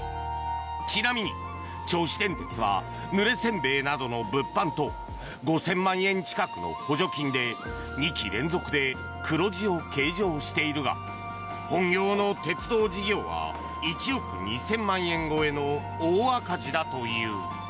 ちなみに銚子電鉄はぬれ煎餅などの物販と５０００万円近くの補助金で２期連続で黒字を計上しているが本業の鉄道事業は１億２０００万超えの大赤字だという。